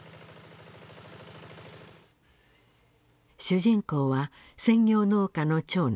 主人公は専業農家の長男。